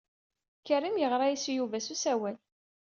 Karim yeɣra-as i Yuba s usawal.